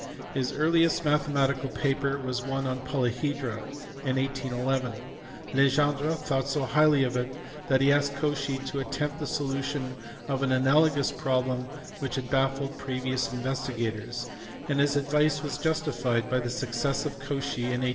His earliest mathematical paper was one on polyhedra in 1811. Legendre thought so highly of it that he asked Cauchy to attempt the solution of an analogous problem which had baffled previous investigators, and his advice was justified by the success of Cauchy in 1812.